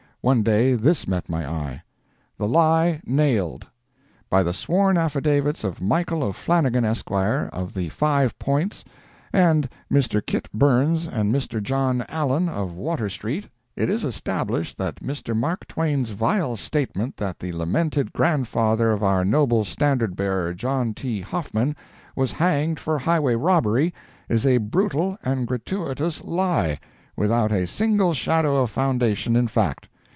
One day this met my eye: THE LIE NAILED!—By the sworn affidavits of Michael O'Flanagan, Esq., of the Five Points, and Mr. Kit Burns and Mr. John Allen, of Water street, it is established that Mr. Mark Twain's vile statement that the lamented grandfather of our noble standard bearer, John T. Hoffman, was hanged for highway robbery, is a brutal and gratuitous LIE, without a single shadow of foundation in fact.